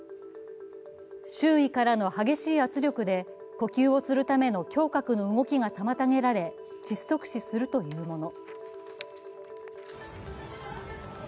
周囲からの激しい圧力で呼吸をするための胸郭の動きが妨げられ、窒息死するというもの。